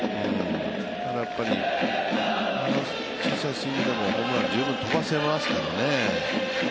ただやっぱり小さいスイングでも十分ホームラン飛ばせますからね。